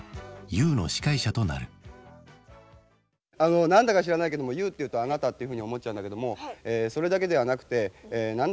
あの何だか知らないけども「ＹＯＵ」っていうと「あなた」っていうふうに思っちゃうんだけどもそれだけではなくて何だかよく分からないと。